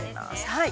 ◆はい。